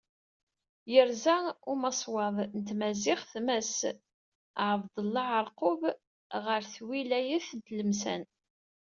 Yerza umaswaḍ n tmaziɣt Mass Ɛebdella Ɛerqub ɣer twilayt n Tlemsan.